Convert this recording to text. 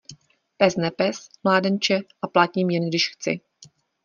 Pes nepes, mládenče, a platím, jen když chci.